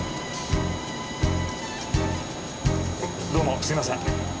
どうもすみません。